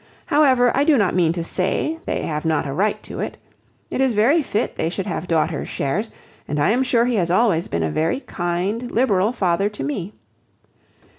However, I do not mean to say they have not a right to it. It is very fit they should have daughters' shares; and I am sure he has always been a very kind, liberal father to me.